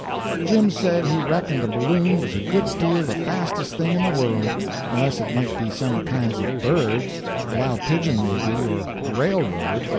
Jim said he reckoned a balloon was a good deal the fastest thing in the world, unless it might be some kinds of birds—a wild pigeon, maybe, or a railroad.